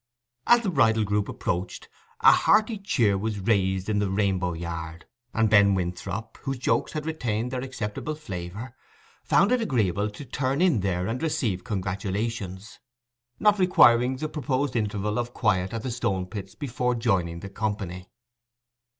As the bridal group approached, a hearty cheer was raised in the Rainbow yard; and Ben Winthrop, whose jokes had retained their acceptable flavour, found it agreeable to turn in there and receive congratulations; not requiring the proposed interval of quiet at the Stone pits before joining the company.